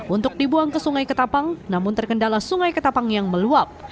untuk dibuang ke sungai ketapang namun terkendala sungai ketapang yang meluap